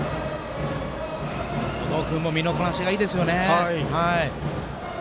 後藤君も身のこなしがいいですよね。